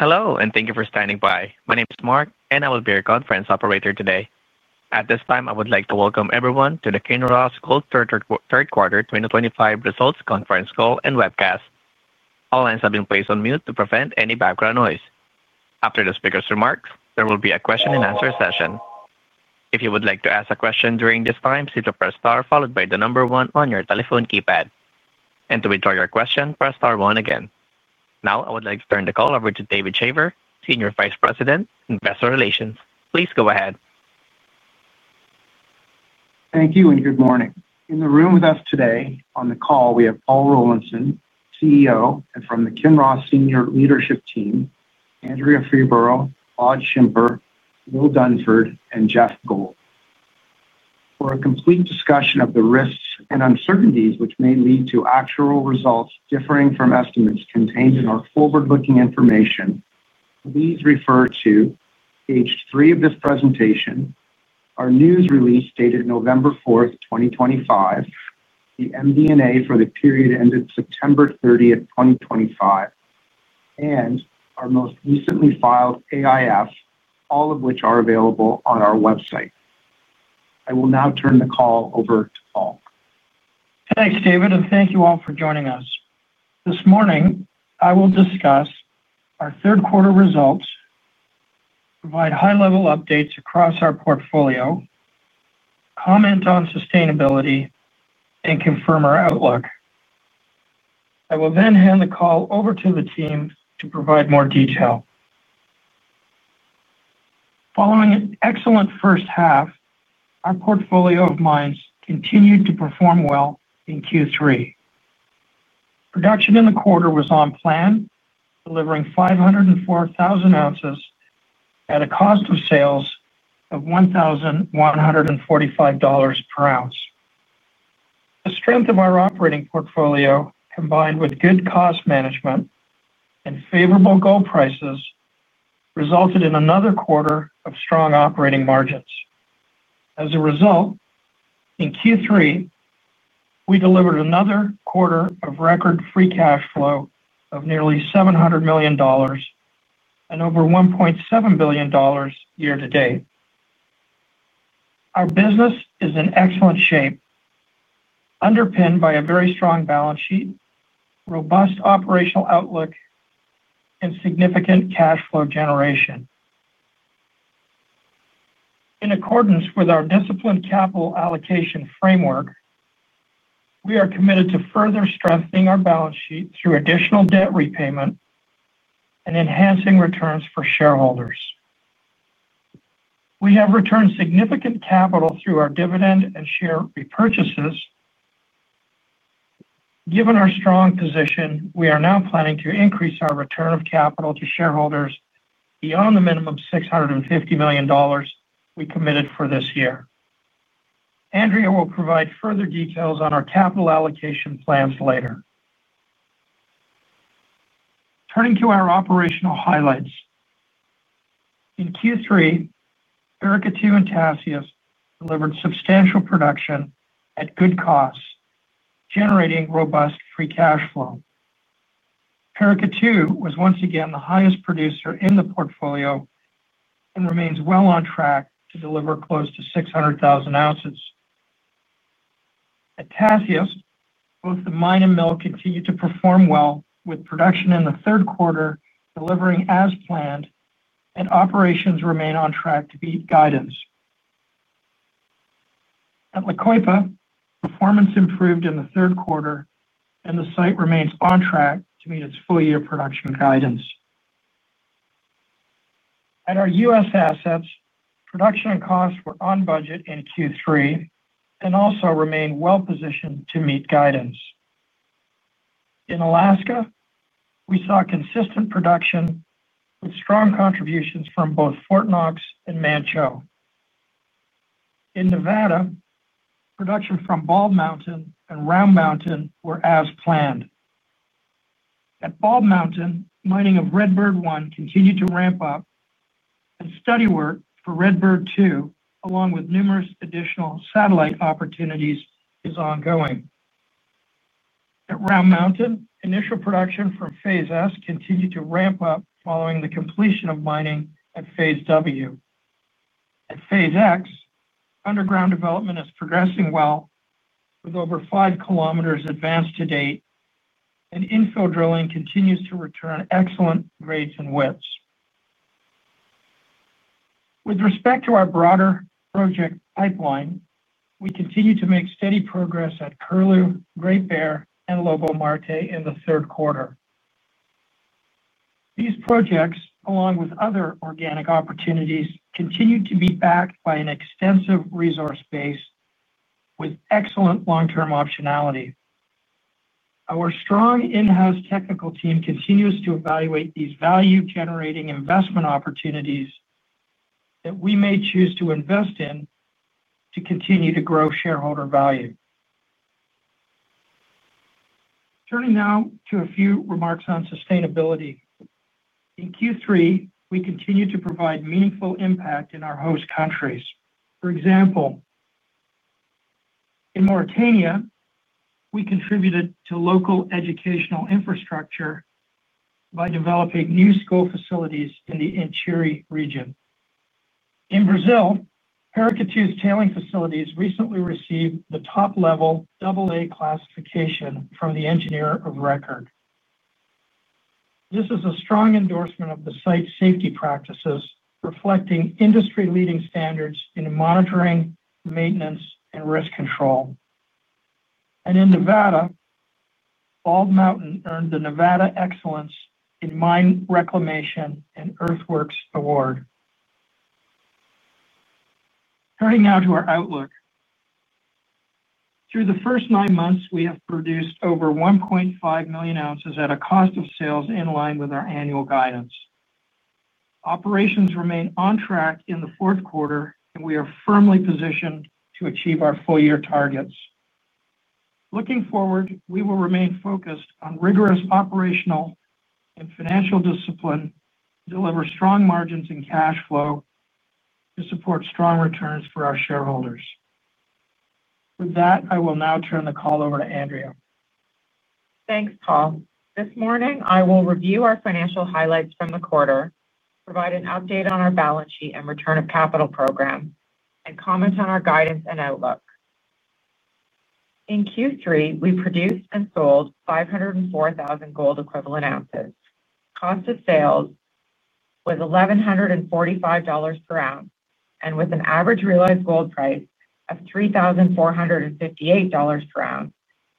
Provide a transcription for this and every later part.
Hello and thank you for standing by. My name is Mark and I will be your conference operator today. At this time I would like to welcome everyone to the Kinross Gold third quarter 2025 results conference call and webcast. All lines have been placed on mute to prevent any background noise. After the speaker's remarks there will be a question and answer session. If you would like to ask a question during this time, simply press star followed by the number one on your telephone keypad and to withdraw your question, press star one again. Now I would like to turn the call over to David Shaver, Senior Vice President Investor Relations. Please go ahead. Thank you and good morning. In the room with us today on. The call we have Paul Rollinson, CEO. From the Kinross senior leadership team. Andrea Freeborough, Claude Schimper, Will Dunford and Geoff Gold. For a complete discussion of the risks and uncertainties which may lead to actual. Results differing from estimates contained in our. Forward looking information, please refer to page three of this presentation. Our news release dated November 4th, 2025, the MD&A for the period ended September 30th, 2025 and our most recently filed. AIF, all of which are available on our website. I will now turn the call over to Paul. Thanks David and thank you all for joining us. This morning I will discuss our third quarter results, provide high level updates across our portfolio, comment on sustainability and confirm our outlook. I will then hand the call over to the team to provide more detail. Following an excellent first half, our portfolio of mines continued to perform well in Q3. Production in the quarter was on plan, delivering 504,000 ounces at a cost of sales of $1,145 per ounce. The strength of our operating portfolio combined with good cost management and favorable gold prices resulted in another quarter of strong operating margins. As a result, in Q3 we delivered another quarter of record free cash flow of nearly $700 million and over $1.7 billion year to date. Our business is in excellent shape underpinned by a very strong balance sheet, robust operational outlook and significant cash flow generation in accordance with our Disciplined Capital Allocation framework. We are committed to further strengthening our balance sheet through additional debt repayment and enhancing returns for shareholders. We have returned significant capital through our dividend and share repurchases. Given our strong position, we are now planning to increase our return of capital to shareholders beyond the minimum $650 million we committed for this year. Andrea will provide further details on our capital allocation plans later. Turning to our operational highlights in Q3, Paracatu and Tasiast delivered substantial production at good costs generating robust free cash flow. Paracatu was once again the highest producer in the portfolio and remains well on track to deliver close to 600,000 ounces. At Tasiast, both the mine and mill continue to perform well with production in the third quarter delivering as planned and operations remain on track to beat guidance. At La Coipa, performance improved in the third quarter and the site remains on track to meet its full year production guidance. At our U.S. assets, production and costs were on budget in Q3 and also remain well positioned to meet guidance. In Alaska we saw consistent production with strong contributions from both Fort Knox and Manh Choh. In Nevada, production from Bald Mountain and Round Mountain were as planned. At Bald Mountain, mining of Redbird 1 continued to ramp up and study work for Redbird 2 along with numerous additional satellite opportunities is ongoing. At Round Mountain, initial production from phase S continued to ramp up following the completion of mining at phase W. At phase X underground development is progressing well with over 5 km advanced to date and infill drilling continues to return excellent grades and widths with respect to our broader project pipeline, we continue to make steady progress at Curlew, Great Bear and Lobo-Marte in the third quarter. These projects along with other organic opportunities continue to be backed by an extensive resource base with excellent long term optionality. Our strong in house technical team continues to evaluate these value generating investment opportunities that we may choose to invest in to continue to grow shareholder value. Turning now to a few remarks on sustainability in Q3, we continue to provide meaningful impact in our host countries. For example, in Mauritania we contributed to local educational infrastructure by developing new school facilities in the Inchiri region in Brazil. Paracatu's tailings facilities recently received the top level AA classification from the engineer of record. This is a strong endorsement of the site safety practices reflecting industry leading standards in monitoring, maintenance and risk control. In Nevada, Bald Mountain earned the Nevada Excellence in Mine Reclamation and Earthworks Award. Turning now to our outlook, through the first nine months we have produced over 1.5 million ounces at a cost of sales in line with our annual guidance. Operations remain on track in the fourth quarter and we are firmly positioned to achieve our full year targets. Looking forward we will remain focused on rigorous operational and financial discipline, deliver strong margins and cash flow to support strong returns for our shareholders. With that I will now turn the call over to Andrea. Thanks Paul. This morning I will review our financial highlights from the quarter, provide an update on our balance sheet and return of capital program and comment on our guidance and outlook. In Q3, we produced and sold 504,000 gold equivalent ounces. Cost of sales was $1,145 per ounce and with an average realized gold price of $3,458 per ounce,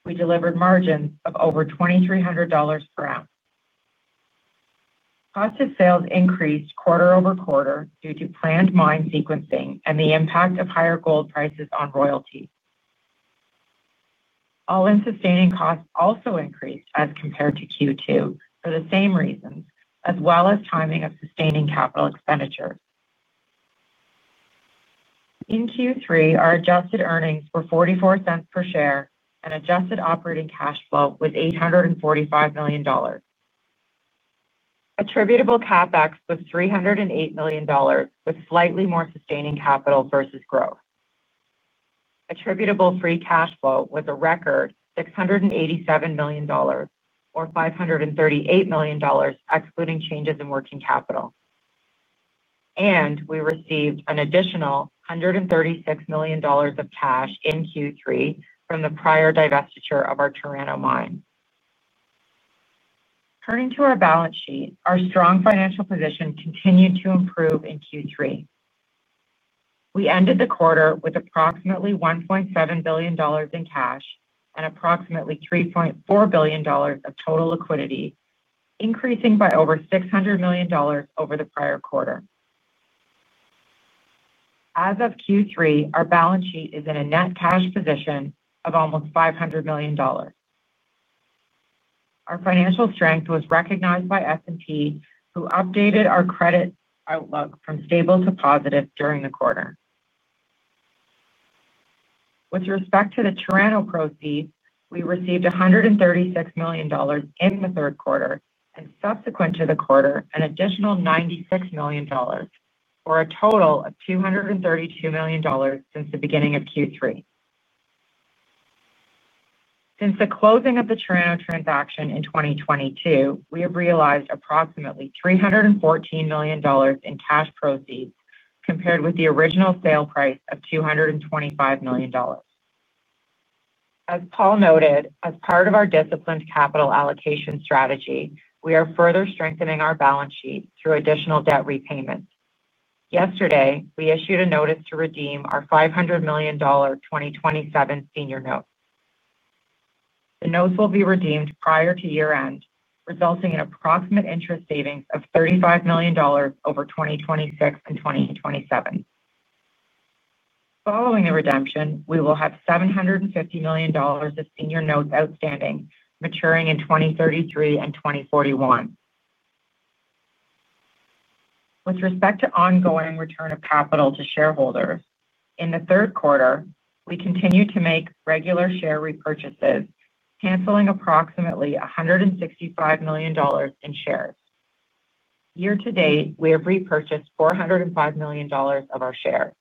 we delivered margins of over $2,300 per ounce. Cost of sales increased quarter-over-quarter due to planned mine sequencing and the impact of higher gold prices on royalty. All-in sustaining costs also increased as compared to Q2 for the same reasons as well as timing of sustaining capital expenditures. In Q3, our adjusted earnings were $0.44 per share and adjusted operating cash flow was $845 million. Attributable CapEx was $308 million with slightly more sustaining capital versus growth. Attributable free cash flow was a record $687 million or $538 million excluding changes in working capital, and we received an additional $136 million of cash in Q3 from the prior divestiture of our Chirano mine. Turning to our balance sheet, our strong financial position continued to improve in Q3. We ended the quarter with approximately $1.7 billion in cash and approximately $3.4 billion of total liquidity, increasing by over $600 million over the prior quarter. As of Q3, our balance sheet is in a net cash position of almost $500 million. Our financial strength was recognized by S&P, who updated our credit outlook from stable to positive during the quarter. With respect to the Chirano proceeds, we received $136 million in the third quarter and subsequent to the quarter an additional $96 million or a total of $232 million since the beginning of Q3. Since the closing of the Chirano transaction in 2022, we have realized approximately $314 million in cash proceeds compared with the original sale price of $225 million. As Paul noted, as part of our disciplined capital allocation strategy, we we are further strengthening our balance sheet through additional debt repayments. Yesterday we issued a notice to redeem our $500 million 2027 senior note. The notes will be redeemed prior to year end, resulting in approximate interest savings of $35 million over 2026 and 2027. Following the redemption, we will have $750 million of senior notes outstanding maturing in 2033 and 2041. With respect to ongoing return of capital to shareholders in the third quarter, we continue to make regular share repurchases, canceling approximately $165 million in shares. Year to date, we have repurchased $405 million of our share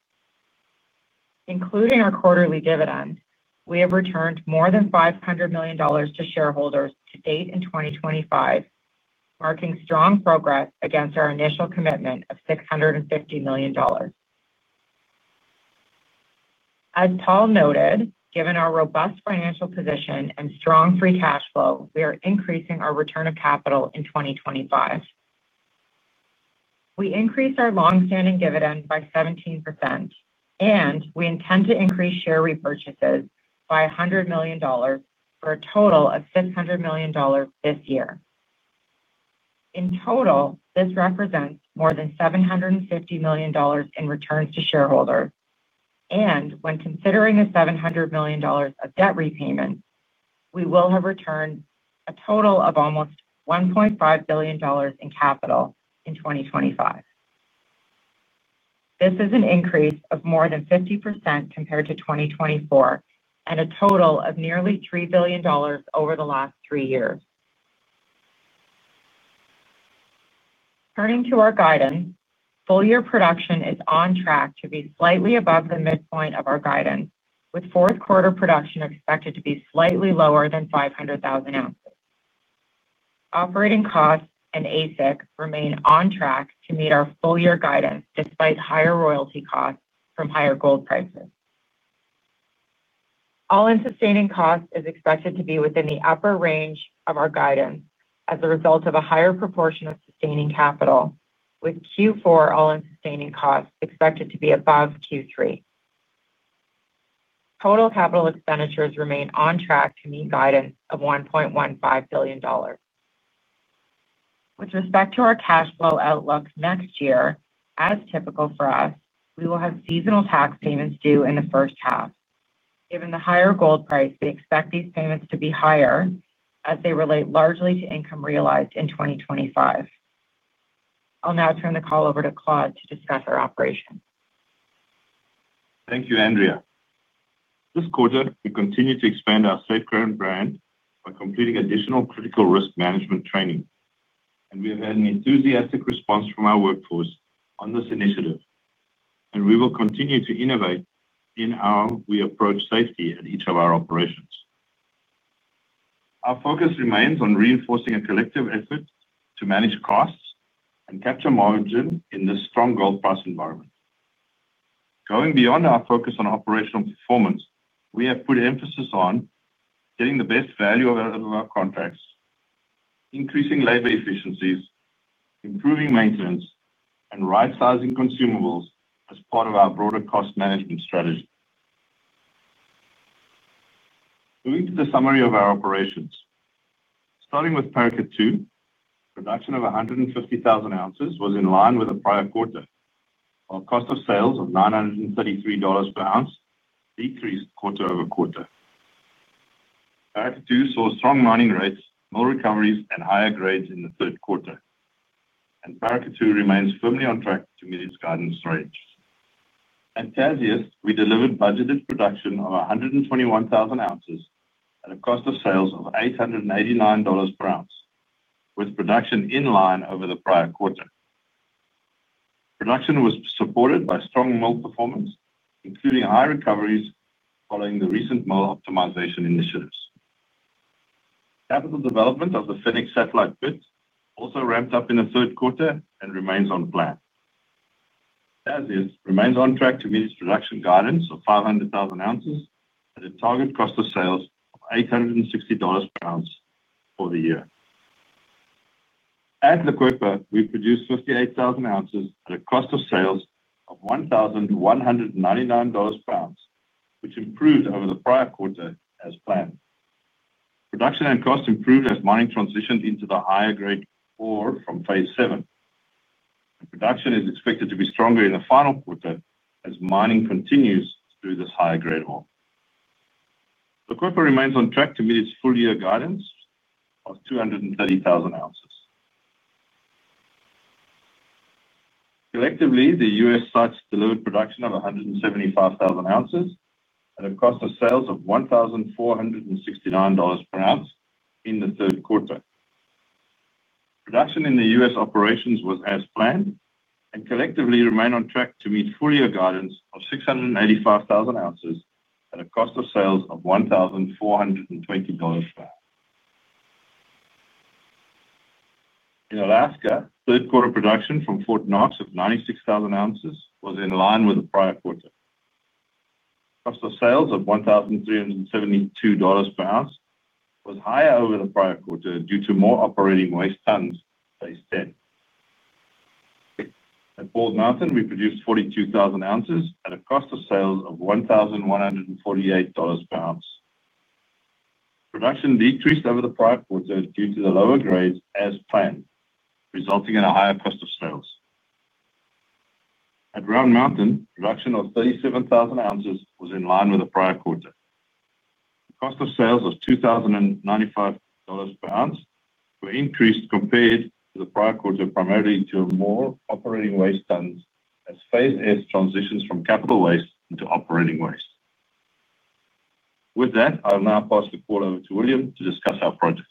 including our quarterly dividend. We have returned more than $500 million to shareholders to date in 2025, marking strong progress against our initial commitment of $650 million. As Paul noted, given our robust financial position and strong free cash flow, we are increasing our return of capital. In 2025 we increased our long standing dividend by 17% and we intend to increase share repurchases by $100 million for a total of $600 million this year. In total, this represents more than $750 million in returns to shareholders and when considering a $700 million of debt repayment, we will have returned a total of almost $1.5 billion in capital in 2025. This is an increase of more than 50% compared to 2024 and a total of nearly $3 billion over the last three years. Turning to our guidance, full year production is on track to be slightly above the midpoint of our guidance with fourth quarter production expected to be slightly lower than 500,000 ounces. Operating costs and ASIC remain on track to meet our full year guidance. Despite higher royalty costs from higher gold prices, all in sustaining cost is expected to be within the upper range of our guidance as a result of a higher proportion of sustaining capital with Q4 all in sustaining costs expected to be above Q3, total capital expenditures remain on track to meet guidance of $1.15 billion with respect to our cash flow outlook next year. As typical for us, we will have seasonal tax payments due in the first half. Given the higher gold price, we expect these payments to be higher as they relate largely to income realized in 2025. I'll now turn the call over to Claude to discuss our operations. Thank you Andrea. This quarter we continue to expand our Safeground brand by completing additional critical risk management training and we have had an enthusiastic response from our workforce on this initiative and we will continue to innovate in how we approach safety at each of our operations. Our focus remains on reinforcing a collective effort to manage costs capture margin in this strong gold price environment. Going beyond our focus on operational performance, we have put emphasis on getting the best value of our contracts, increasing labor efficiencies, improving maintenance and right sizing consumables as part of our broader cost management strategy. Moving to the summary of our operations starting with Paracatu, production of 150,000 ounces was in line with the prior quarter. Our cost of sales of $933 per ounce decreased quarter-over-quarter. Paracatu saw strong mining rates, mill recoveries and higher grades in the third quarter and Paracatu remains firmly on track to meet its guidance range. At Tasiast we delivered budgeted production of 121,000 ounces at a cost of sales of $889 per ounce with production in line over the prior quarter. Production was supported by strong mill performance including high recoveries following the recent mill optimisation initiatives. Capital development of the Fennec satellite pit also ramped up in the third quarter and remains on plan as it remains on track to meet its production guidance of 500,000 ounces at a target cost of sales of $860 per ounce for the year. At La Coipa we produced 58,000 ounces at a cost of sales of $1,199 pounds which improved over the prior quarter as planned. Production and cost improved as mining transitioned into the higher grade ore from phase seven. Production is expected to be stronger in the final quarter as mining continues through this higher grade ore. The Kupol remains on track to meet its full year guidance of 230,000 ounces. Collectively the U.S. sites delivered production of 175,000 ounces at a cost of sales of $1,469 per ounce in the third quarter. Production in the U.S. operations was as planned and collectively remain on track to meet full year guidance of 685,000 ounces at a cost of sales of $1,420 per hour. In Alaska, third quarter production from Fort Knox of 96,000 ounces was in line with the prior quarter cost of sales of $1,372 per ounce was higher over the prior quarter due to more operating waste tonnes. Phase X at Bald Mountain we produced 42,000 ounces at a cost of sales of $1,148 per ounce. Production decreased over the prior quarter due to the lower grades as planned resulting in a higher cost of sales. At Round Mountain, production of 37,000 ounces was in line with the prior quarter. Cost of sales of $2,095 per ounce were increased compared to the prior quarter primarily to more operating waste tonnes as phase S transitions from capital waste into operating waste. With that, I'll now pass the call over to William to discuss our projects.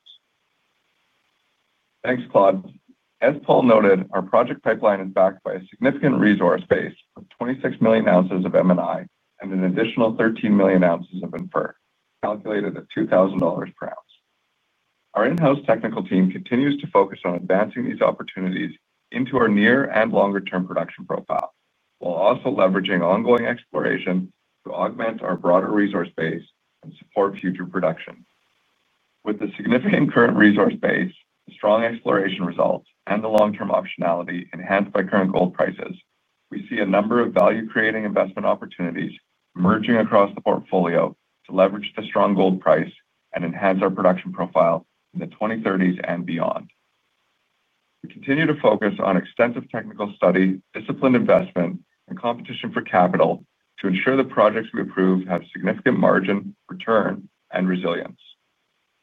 Thanks, Claude. As Paul noted, our project pipeline is backed by a significant resource base with 26 million ounces of M&I and an additional 13 million ounces of inferior calculated at $2,000 per ounce. Our in house technical team continues to focus on advancing these opportunities into our near and longer term production profile while also leveraging ongoing exploration to augment our broader resource base and support future production. With the significant current resource base, strong exploration results and the long term optionality enhanced by current gold prices, we see a number of value creating investment opportunities merging across the portfolio to leverage the strong gold price and enhance our production profile in the 2030s and beyond. We continue to focus on extensive technical study, disciplined investment and competition for capital to ensure the projects we approve have significant margin return and resilience.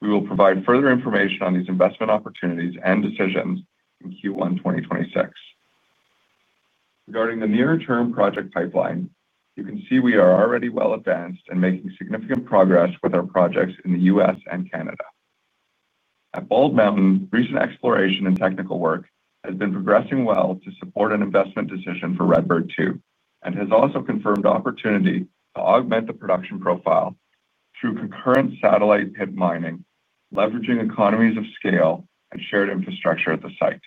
We will provide further information on these investment opportunities and decisions in Q1 2026 regarding the near term project pipeline, you can see we are already well advanced and making significant progress with our projects in the U.S. and Canada. At Bald Mountain, recent exploration and technical work has been progressing well to support an investment decision for Redbird 2 and has also confirmed opportunity to augment the production profile through concurrent satellite pit mining, leveraging economies of scale and shared infrastructure at the site.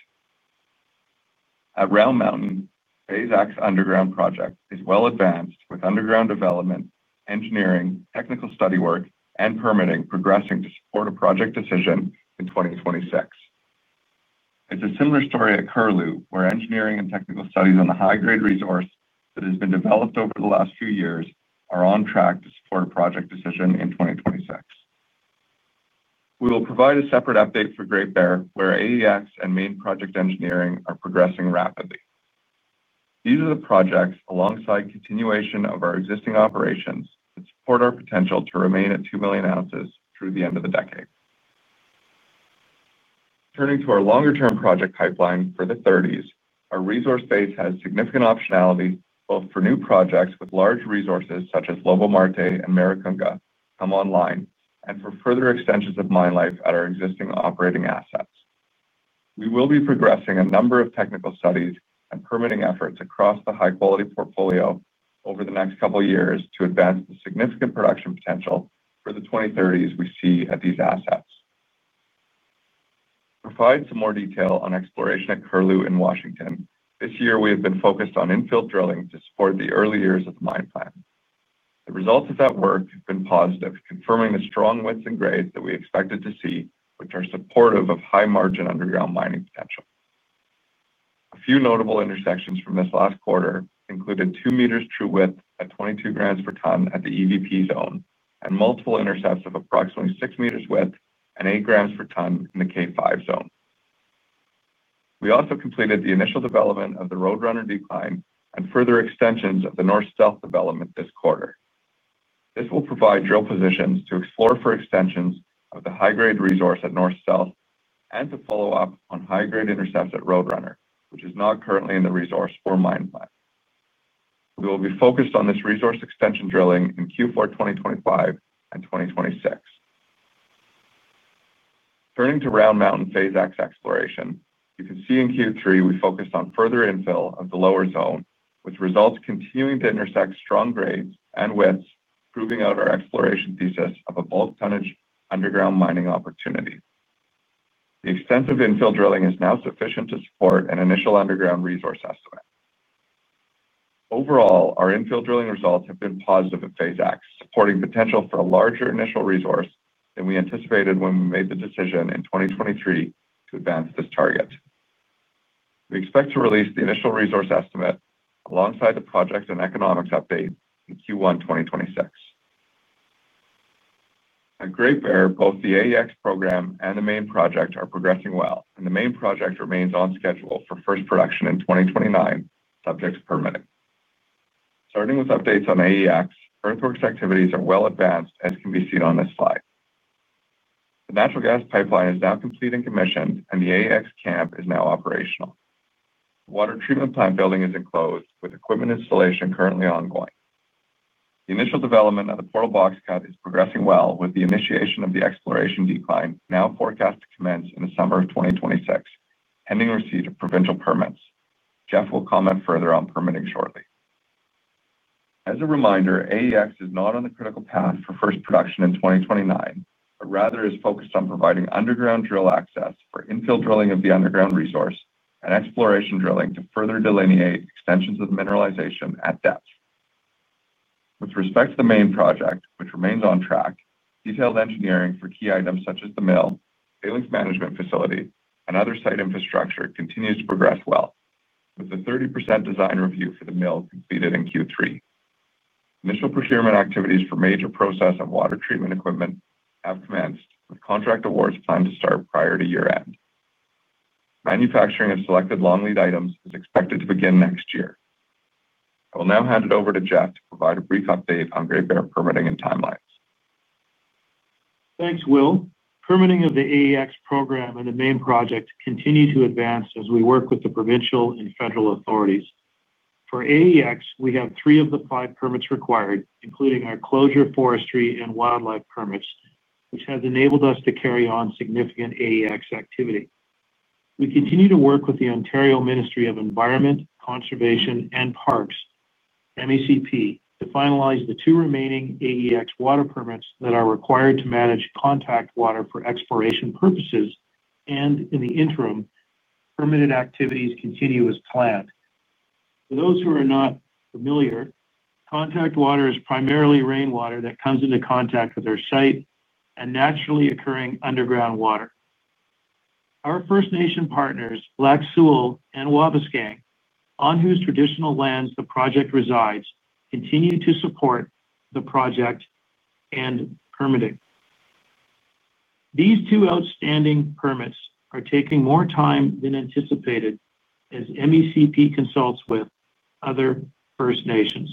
At Round Mountain, phase X underground project is well advanced with underground development, engineering, technical study work and permitting progressing to support a project decision in 2026. It's a similar story at Curlew where engineering and technical studies on the high grade resource that has been developed over the last few years are on track to support a project decision in 2026. We will provide a separate update for Great Bear where AEX and main project engineering are progressing rapidly. These are the projects alongside continuation of our existing operations that support our potential to remain at 2 million ounces through the end of the decade. Turning to our longer term project pipeline for the 2030s, our resource base has significant optionality both for new projects with large resources such as Lobo-Marte and Maricunga come online and for further extensions of mine life at our existing operating assets. We will be progressing a number of technical studies and permitting efforts across the high quality portfolio over the next couple years to advance the significant production potential for the 2030s. We see at these assets to provide some more detail on exploration at Curlew in Washington this year, we have been focused on infill drilling to support the early years of the mine plan. The results of that work have been positive, confirming the strong widths and grades that we expected to see which are supportive of high margin underground mining potential. A few notable intersections from this last quarter included 2 m true width at 22 g/t at the EVP zone and multiple intercepts of approximately 6 m width and 8 g/t in the K5 zone. We also completed the initial development of the Roadrunner decline and further extensions of the North Stealth development this quarter. This will provide drill positions to explore for extensions of the high grade resource at North Stealth and to follow up on high grade intercepts at Roadrunner which is not currently in the resource or mine plan. We will be focused on this resource extension drilling in Q4, 2025 and 2026. Turning to Round Mountain phase X exploration, you can see in Q3 we focused on further infill of the lower zone with results continuing to intersect strong grades and widths proving out our exploration thesis of a bulk tonnage underground mining opportunity. The extensive infill drilling is now sufficient to support an initial underground resource estimate. Overall, our infill drilling results have been positive at phase X, supporting potential for a larger initial resource than we anticipated when we made the decision in 2023 to advance this target. We expect to release the initial resource estimate alongside the project and economics update in Q1 2026 at Great Bear. Both the AEX program and the main project are progressing well and the main project remains on schedule for first production in 2029. Subject to permitting, starting with updates on AEX, first earthworks activities are well advanced as can be seen on this slide. The natural gas pipeline is now complete and commissioned and the AEX camp is now operational. Water treatment plant building is enclosed with equipment installation currently ongoing. The initial development of the portal box cut is progressing well with the initiation of the exploration decline now forecast to commence in the summer of 2026 pending receipt of provincial permits. Geoff will comment further on permitting shortly. As a reminder, AEX is not on the critical path for first production in 2029, but rather is focused on providing underground drill access for infill drilling of the underground resource and exploration drilling to further delineate extensions of mineralization at depth. With respect to the main project which remains on track. Detailed engineering for key items such as the mill, phalanx management facility and other site infrastructure continues to progress well with a 30% design review for the mill completed in Q3. Initial procurement activities for major process and water treatment equipment have commenced with contract awards planned to start prior to year end. Manufacturing of selected long lead items is expected to begin next year. I will now hand it over to Geoff to provide a brief update on Gray Bear permitting and timelines. Thanks. Will permitting of the AEX program and the main project continue to advance as we work with the provincial and federal authorities. For AEX we have three of the five permits required including our Closure, Forestry and Wildlife permits, which has enabled us to carry on significant AEX activity. We continue to work with the Ontario Ministry of Environment, Conservation and Parks to finalize the two remaining AEX water permits that are required to manage contact water for exploration purposes and in the interim, permitted activities continue as planned. For those who are not familiar, contact water is primarily rainwater that comes into contact with our site and naturally occurring underground water. Our First Nation partners, Lac Seul and Wabauskang, on whose traditional lands the project resides, continue to support the project and permitting. These two outstanding permits are taking more time than anticipated as MECP consults with other First Nations.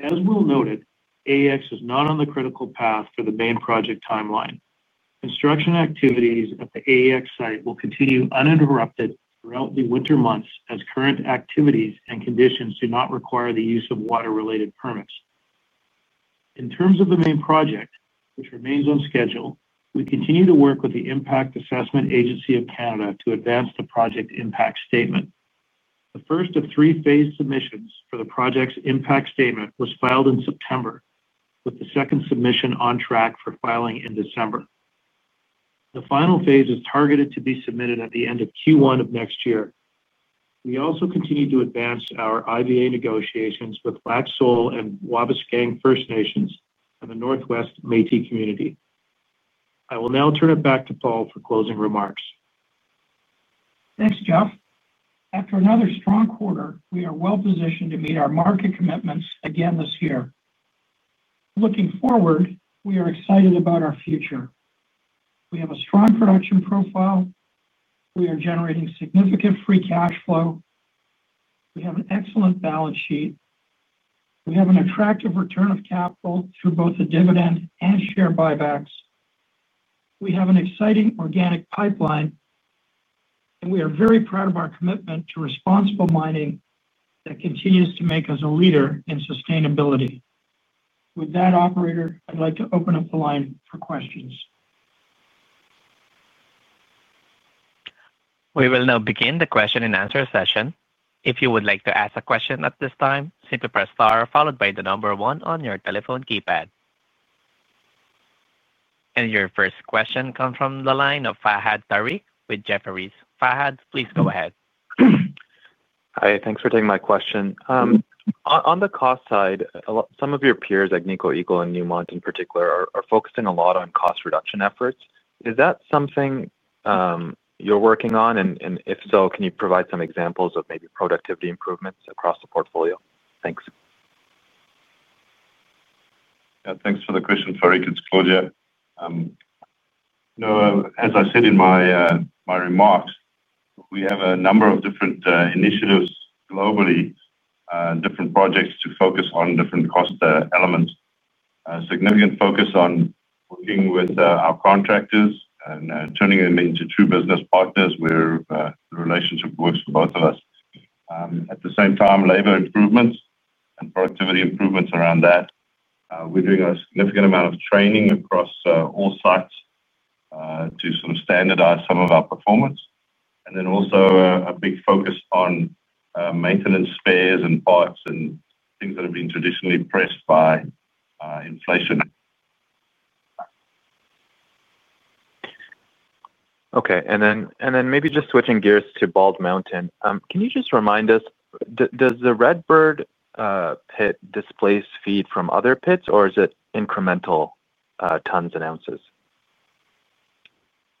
As will noted, AEX is not on the critical path for the main project timeline. Construction activities at the AEX site will continue uninterrupted throughout the winter months as current activities and conditions do not require the use of water related permits. In terms of the main project, which remains on schedule, we continue to work with the Impact Assessment Agency of Canada to advance the project Impact Statement. The first of three phase submissions for the project's Impact Statement was filed in September, with the second submission on track for filing in December. The final phase is targeted to be submitted at the end of Q1 of next year. We also continue to advance our IBA negotiations with Lac Seul and Wabauskang first nations and the Northwest Métis Community. I will now turn it back to Paul for closing remarks. Thanks Geoff. After another strong quarter, we are well positioned to meet our market commitments again this year. Looking forward, we are excited about our future. We have a strong production profile, we are generating significant free cash flow, we have an excellent balance sheet, we have an attractive return of capital through both the dividend and share buybacks. We have an exciting organic pipeline and we are very proud of our commitment to responsible mining that continues to make us a leader in sustainability. With that operator, I'd like to open up the line for questions. We will now begin the question and answer session. If you would like to ask a question at this time, simply press star followed by the number one on your telephone keypad and your first question comes from the line of Fahad Tariq with Jefferies. Fahad, please go ahead. Hi. Thanks for taking my question. On the cost side, some of your peers Agnico Eagle and Newmont in particular are focusing a lot on cost reduction efforts. Is that something you're working on and if so, can you provide some examples of maybe productivity improvements across the portfolio? Thanks. Thanks for the question. Tariq, it's Claude here. As I said in my remarks, we have a number of different initiatives globally, different projects to focus on different cost elements. Significant focus on working with our contractors and turning them into true business partners, where the relationship works for both of us at the same time. Labor improvements and productivity improvements around that. We're doing a significant amount of training across all sites to sort of standardize some of our performance. And then also a big focus on maintenance spares and pipes and that have been traditionally pressed by inflation. Okay, and then maybe just switching gears to Bald Mountain, can you just remind us, does the Redbird pit displace feed from other pits or is it incremental tons and ounces?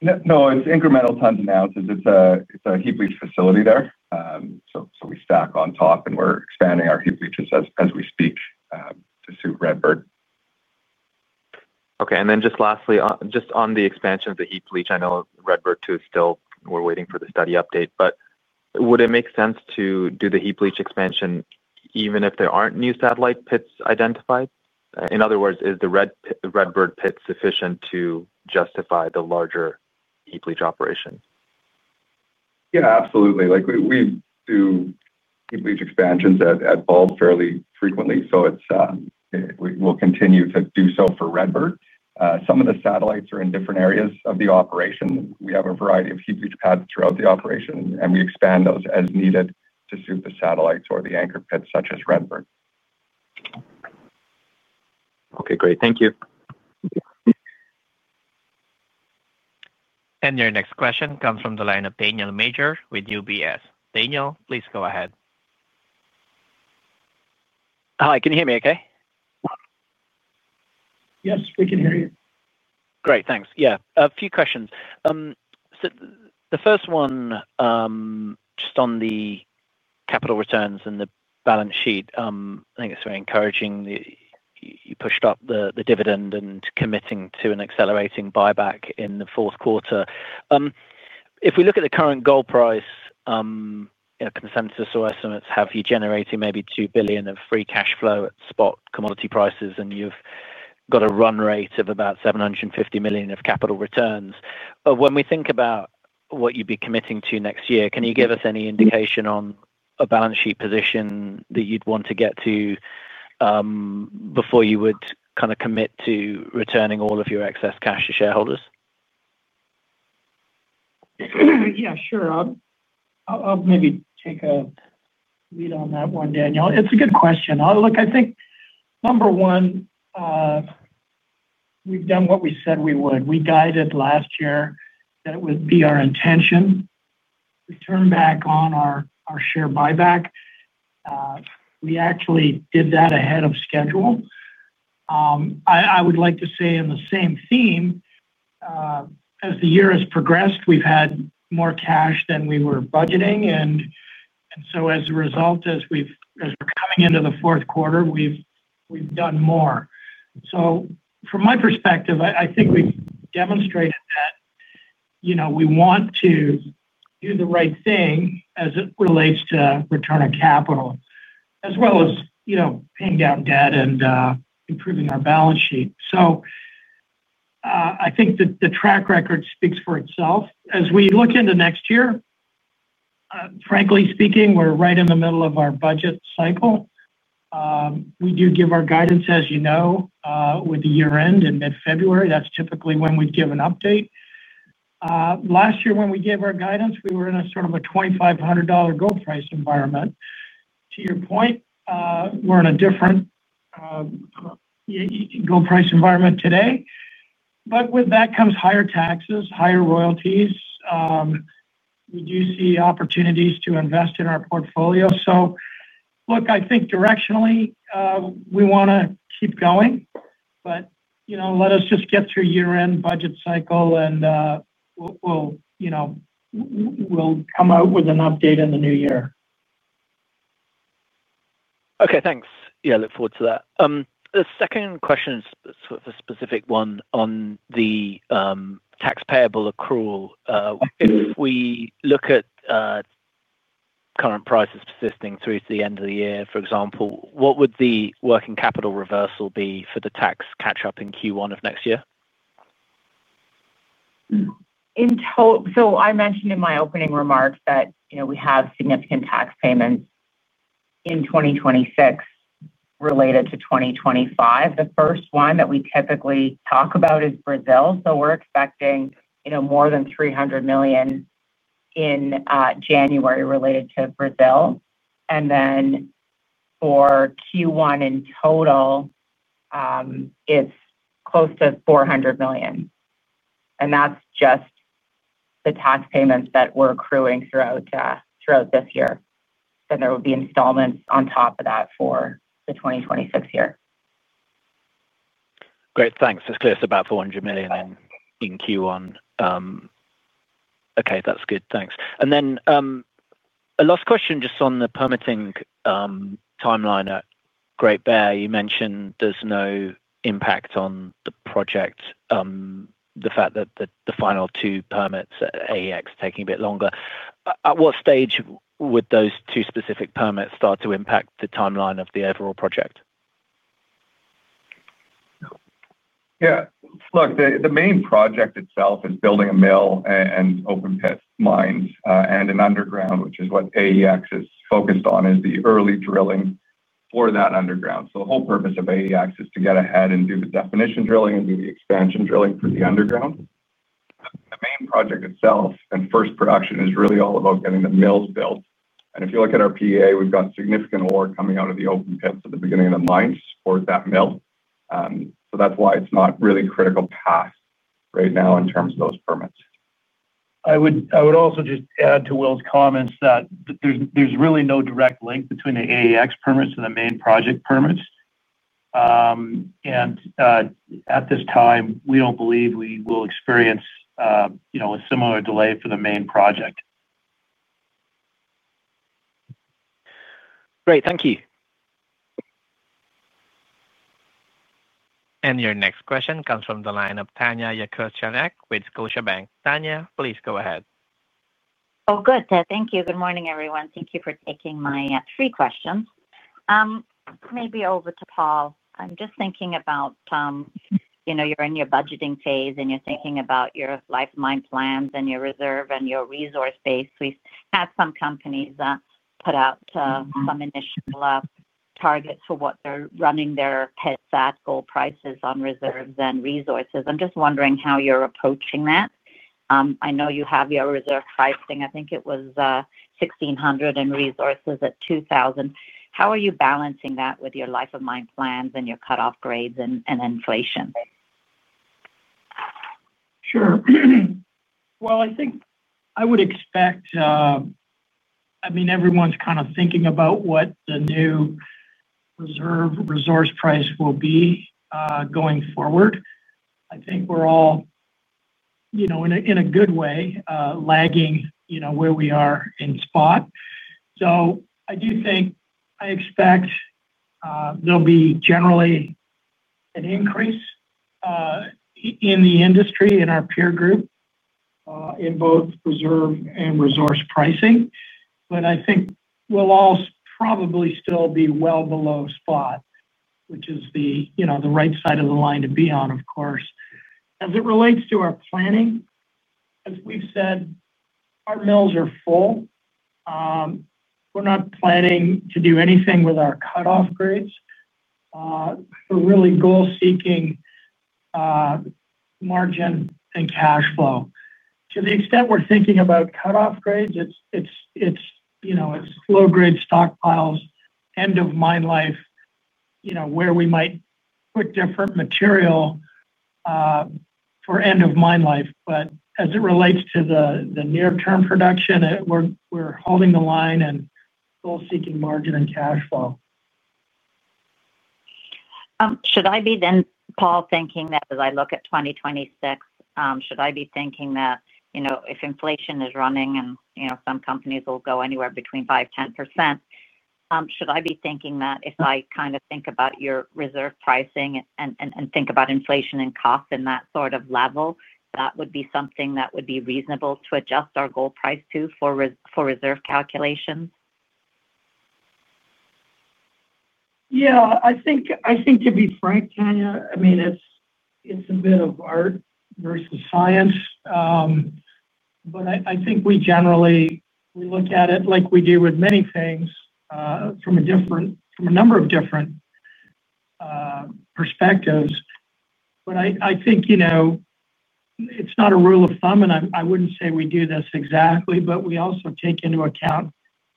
No, it's incremental tons and ounces. It's a heap leach facility there. So we stack on top and we're expanding our heap leaches as we speak to suit Redbird. Okay, and then just lastly, just on the expansion of the heap leach. I know Redbird 2 is still. We're waiting for the study update, but would it make sense to do the heap leach expansion even if there aren't new satellite pits identified? In other words, is the Redbird pit sufficient to justify the larger operation? Yeah, absolutely. Like we do heap leach expansions at Bald fairly frequently. We will continue to do so for Redbird. Some of the satellites are in different areas of the operation. We have a variety of heap paths throughout the operation, and we expand those as needed to suit the satellites or the anchor pits such as Redbird. Okay, great, thank you. And your next question comes from the line of Daniel Major with UBS. Daniel, please go ahead. Hi, can you hear me okay? Yes, we can hear you. Great, thanks. Yeah, a few questions. The first one just on the capital returns and the balance sheet. I think it's very encouraging you pushed up the dividend and committing to an accelerating buyback in the fourth quarter. If we look at the current gold price consensus or estimates, have you generated maybe $2 billion of free cash flow at spot commodity prices and you've got a run rate of about $750 million of capital returns? When we think about what you'd be committing to next year, can you give us any indication on a balance sheet position that you'd want to get to before you would kind of commit to returning all of your excess cash to shareholders? Yeah, sure. I'll maybe take a lead on that one. Daniel, It's a good question. Look, I think number one, we've done what we said we would. We guided last year that it would be our intention turn back on our share buyback. We actually did that ahead of schedule. I would like to say in the same theme, as the year has progressed, we've had more cash than we were budgeting. And so as a result, as we're coming into the fourth quarter, we've done more. So from my perspective, I think we demonstrated that, you know, we want to do the right thing as it relates to return of capital as well as, you know, paying down debt and improving our balance sheet. So I think that the track record speaks for itself as we look into next year. Frankly speaking, we're right in the middle of our budget cycle. We do give our guidance as you know, with the year end in mid February, that's typically when we give an update. Last year when we gave our guidance, we were in a sort of a $2,500 gold price environment. To your point, we're in a different gold price environment today. But with that comes higher taxes, higher royalties. We do see opportunities to invest in our portfolio. So look, I think directionally we want to keep going, but you know, let us just get through year end budget cycle and we'll, you know, we'll come out with an update in the new year. Okay, thanks. Yeah, look forward to that. The second question, sort of a specific one on the tax payable accrual. If we look at current prices persisting through to the end of the year, for example, what would the working capital reversal be for the tax catch up in Q1 of next year? So I mentioned in my opening remarks that, you know, we have significant tax payments in 2026 related to 2025. The first one that we typically talk about is Brazil. So we're expecting, you know, more than $300 million in January related to Brazil. And then for Q1 in total it's close to $400 million. And that's just the tax payments that we're accruing throughout, throughout this year. Then there will be installments on top of that for the 2026 year. Great, thanks. It's clear it's about $400 million in Q1. Okay, that's good, thanks. And then a last question. Just on the permitting timeline at Great Bear, you mentioned there's no impact on the project. The fact that the final two permits AEX taking a bit longer. At what stage would those two specific permits start to impact the timeline of the overall project? Yeah, look, the main project itself is building a mill and open pit mines and an underground, which is what AEX is focused on is the early drilling for that underground. So the whole purpose of AEX is to get ahead and do the definition drilling and do the expansion, drilling for the underground. The main project itself and first production is really all about getting the mills built. And if you look at our pa, we've got significant ore coming out of the open pits at the beginning of the mines for that mill. So that's why it's not really critical path right now in terms of those permits. I would also just add to Will's comments that there's really no direct link between the AEX permits and the main project permits. And at this time, we don't believe we will experience, you know, a similar delay for the main project. Great, thank you. And your next question comes from the line of Tanya Jakusconek with Scotiabank. Tanya, please go ahead. Oh, good. Thank you. Good morning everyone. Thank you for taking my three questions maybe over to Paul. I'm just thinking about, you know, you're in your budgeting phase and you're thinking about your lifeline plans and your reserve and your resource base. We had some companies put out some initial targets for what they're running their pets at gold prices on reserves and resources. I'm just wondering how you're approaching that. I know you have your reserve pricing, I think it was $1,600 in resources at $2,000. How are you balancing that with your life of mine plans and your cutoff grades and inflation? Sure. Well, I think I would expect, I mean, everyone's kind of thinking about what the new reserve resource price will be going forward. I think we're all, you know, in a good way, lagging, you know, where we are in spot. So I do think, I expect there'll be generally an increase in the industry in our peer group in both reserve and resource pricing. But I think we'll all probably still be well below spot, which is the, you know, the right side of the line to be on. Of course, as it relates to our planning, as we've said, our mills are full. We're not planning to do anything with our cutoff grades. We're really goal seeking margin and cash flow. To the extent we're thinking about cutoff grades, it's low grade stockpiles, end of mine life, where we might put different material for end of mine life. But as it relates to the near term production, we're holding the line and goal seeking margin and cash flow. Should I be then, Paul, thinking that as I look at 2026, should I be thinking that, you know, if inflation is running and you know, some companies will go anywhere between 5%-10%, should I be thinking that if I kind of think about your reserve pricing and, and think about inflation and costs in that sort of level. That would be something that would be reasonable to adjust our gold price to for reserve calculations. Yeah, I think, to be frank, Tanya, I mean it's a bit of art versus science, but I think we generally we look at it like we do with many things from a different. From a number of different perspectives. But I think, you know, it's not a rule of thumb and I wouldn't say we do this exactly, but we also take into account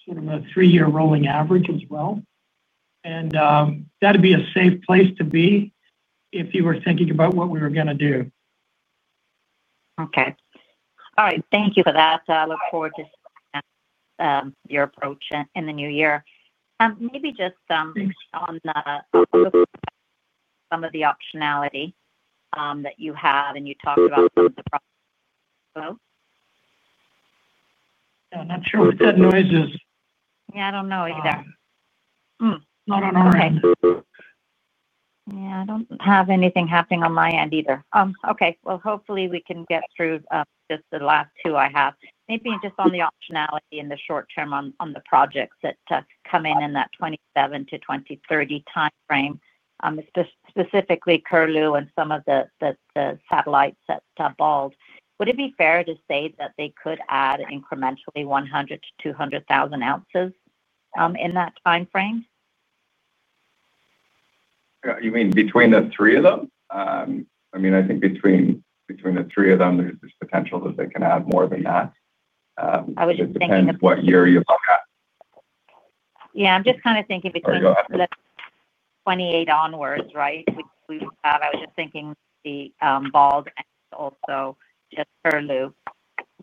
sort of a three year rolling average as well. And that'd be a safe place to be if you were thinking about what we were going to do. Okay. All right. Thank you for that. I look forward to your approach in the new year. Maybe just on some of the optionality that you have and you talked about. I'm not sure we said noises. Yeah, I don't know either. Yeah, I don't have anything happening on my end either. Okay, well, hopefully we can get through just the last two. I have maybe just on the optionality in the short term. On the projects that come in that 2027 to 2030 time frame, specifically Curlew and some of the satellites that bald. Would it be fair to say that they could add incrementally 100,000 ounces-200,000 ounces in that time frame? You mean between the three of them? I mean, I think between the three of them there's potential that they can add more than that. It would just depend on what year you look at. Yeah, I'm just kind of thinking between 2028 onwards. Right. I was just thinking the bald also, just for loop.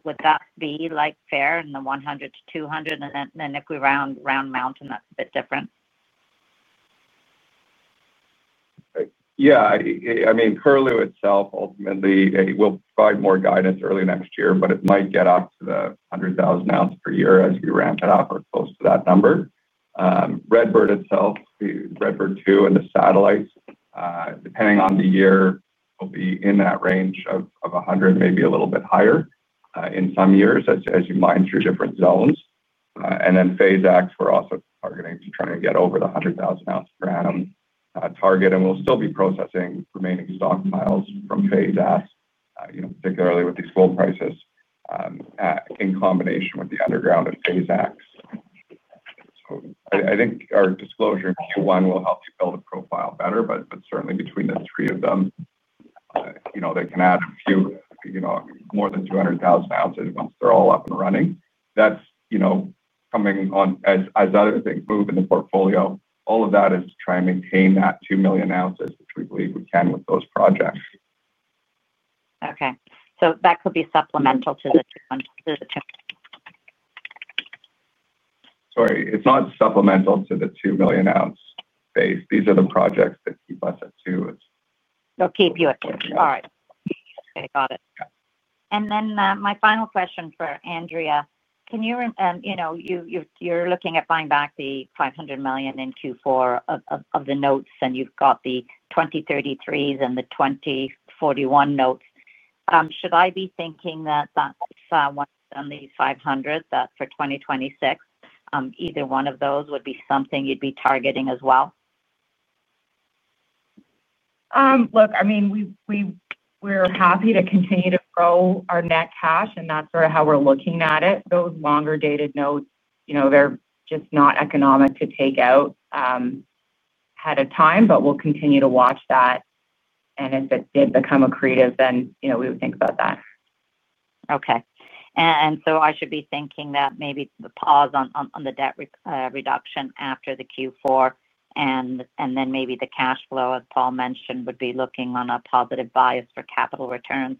Would that be like fair and the 100,000 ounces-200,000 ounces and then if we round Round Mountain. That's a bit different. Yeah. I mean Curlew itself ultimately will provide more guidance early next year. But it might get up to the 100,000 ounce per year as we ramp it up or close to that number. Redbird itself, the Redbird 2 and the satellites depending on the year will be in that range of 100,000 ounces, maybe a little bit higher in some years as you mine through different zones and then phase X, we're also targeting to try and get over the 100,000 ounces per annum target. And we'll still be processing remaining stockpiles from phase S, you know, particularly with these gold prices in combination with the underground and phase X. So I think our disclosure in Q1 will help you build a profile better. But certainly between the three of them, you know, they can add a few, you know, more than 200,000 ounces, once they're all up and running, that's, you know, coming on as other things move in the portfolio. All of that is to try and maintain that 2 million ounces, which we believe we can with those projects. Okay, so that could be supplemental to the. Sorry, it's not supplemental to the 2 million ounce base. These are the projects that keep us. Keep you at. All Right. Okay, got it. And then my final question for Andrea. Can you, you know, you, you're looking at buying back the $500 million in Q4 of the notes and you've got the 2033s and the 2041 notes. Should I be thinking that, that these $500 million, that for 2026, either one of those would be something you'd be targeting as well? Look, I mean, we're happy to continue to grow our net cash and that's sort of how we're looking at it. Those longer dated notes, you know, they're just not economic to take out ahead of time. But we'll continue to watch that. And if it did become accretive, then, you know, we would think about that. Okay. And so I should be thinking that maybe pause on the debt reduction after the Q4, and then maybe the cash flow, as Paul mentioned, would be looking on a positive bias for capital returns.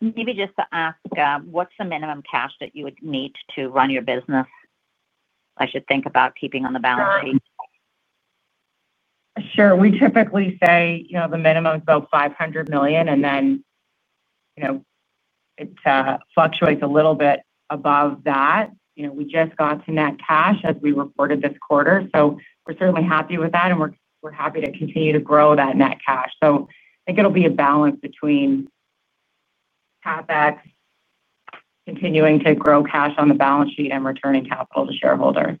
Maybe just to ask, what's the minimum cash that you would need to run your business, I should think about keeping on the balance sheet. Sure. We typically say, you know, the minimum is about $500 million and then, you know, it fluctuates a little bit above that. We just got to net cash as we reported this quarter. So we're certainly happy with that and we're happy to continue to grow that net cash. So I think it'll be a balance between CapEx continuing to grow cash on the balance sheet and returning capital to shareholders.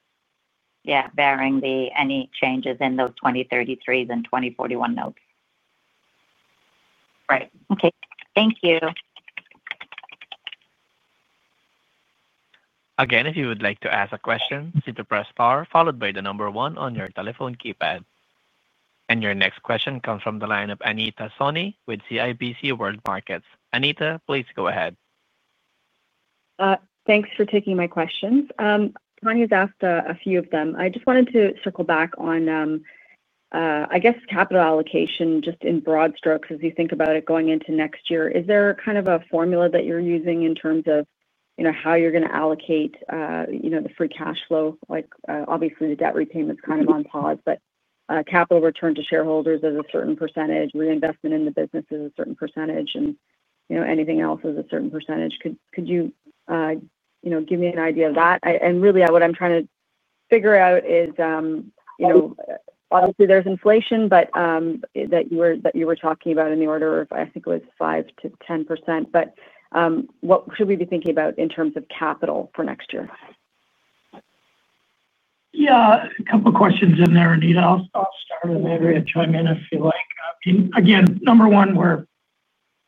Yeah. Barring the any changes in those 2033s and 2041 notes. Right. Okay. Thank you. Again. If you would like to ask a question, simply press par followed by the number one on your telephone keypad. And your next question comes from the line of Anita Soni with CIBC World Markets. Anita, please go ahead. Thanks for taking my questions. Tanya's asked a few of them. I just wanted to circle back on, I guess, capital allocation. Just in broad strokes, as you think about it going into next year, is there kind of a formula that you're using in terms of how you're going to allocate the free cash flow? Obviously the debt repayment is kind of on pause, but capital return to shareholders is a certain percentage. Reinvestment in the business is a certain percentage. And anything else is a certain percentage. Could you give me an idea of that? And really what I'm trying to figure out is, you know, obviously there's inflation, but that you were, that you were talking about in the order of. I think it was 5%-10%. But what should we be thinking about in terms of capital for next year? Yeah, a couple questions in there, Anita. I'll start. Andrea, chime in if you like. Again, number one, we're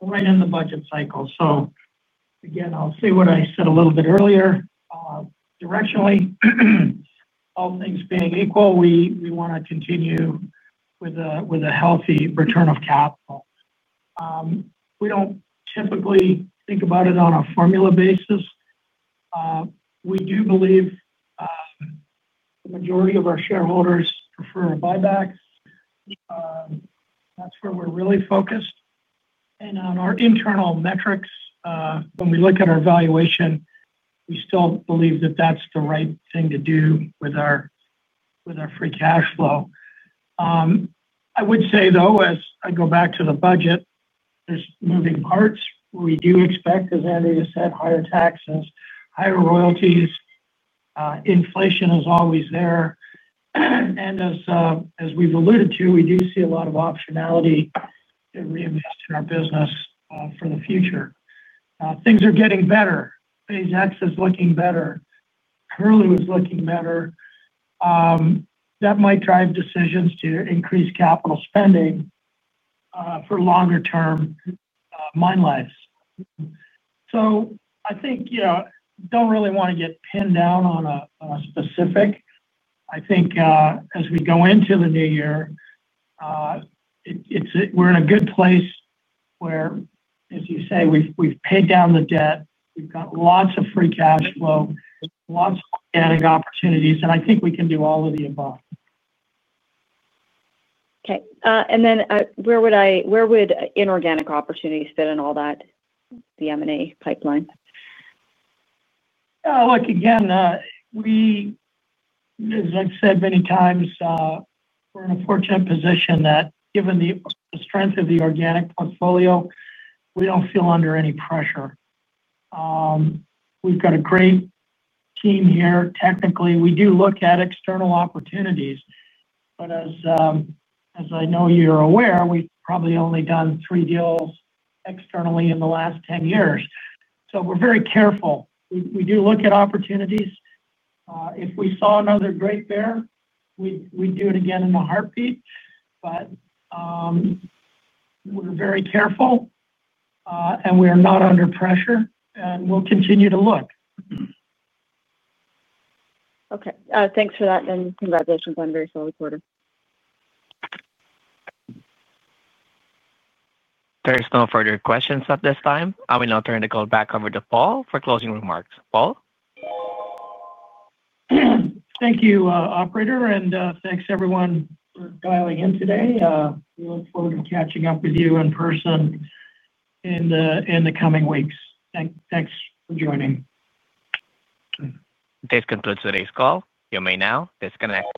right in the budget cycle. So again, again, I'll say what I said a little bit earlier. Directionally, all things being equal, we want to continue with a healthy return of capital. We don't typically think about it on a formula basis. We do believe the majority of our shareholders prefer a buyback. That's where we're really focused and on our internal metrics. When we look at our valuation, we still believe that that's the right thing to do with our, with our free cash flow. I would say, though, as I go back to the budget, there's moving parts. We do expect, as Andrea said, higher taxes, higher royalties, Inflation is always there. And as, as we've alluded to, we do see a lot of optionality to reinvest in our business for the future. Things are getting better. Phase X is looking better. Curlew is looking better. That might drive decisions to increase capital spending for longer term mine lives. So I think, you know, don't really want to get pinned down on a specific. I think as we go into the new year, it's, we're in a good place where, as you say, we've, we've paid down the debt, we've got lots of free cash flow, lots of organic opportunities, and I think we can do all of the above. Okay, and then where would I, where would inorganic opportunities fit in all that? The M&A pipeline. Look, again, we, as I've said many times, we're in a fortunate position that given the strength of the organic portfolio, we don't feel under any pressure. We've got a great team here. Technically, we do look at external opportunities, but as I know you're aware, we've probably only done three deals externally in the last 10 years. So we're very careful. We do look at opportunities. If we saw another great bear, we'd do it again in a heartbeat. But we're very careful and we are not under pressure and we'll continue to look. Okay, thanks for that. And congratulations on a very solid quarter. There's no further questions at this time. I will now turn the call back over to Paul for closing remarks. Paul. Thank you, operator. And thanks, everyone, for dialing in today. We look forward to catching up with you in person in the coming weeks. Thanks for joining. This concludes today's call. You may now disconnect.